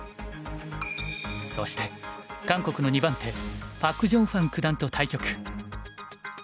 そして韓国の２番手パクジョンファン九段と対局。